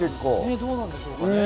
どうなんでしょうね。